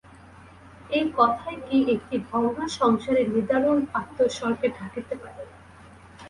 এই কথাই কি একটি ভগ্ন সংসারের নিদারুণ আর্তস্বরকে ঢাকিতে পারে।